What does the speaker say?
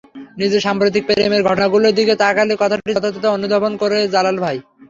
নিজের সাম্প্রতিক প্রেমের ঘটনাগুলোর দিকে তাকালে কথাটির যথার্থতা অনুধাবন করেন জালাল ভাই।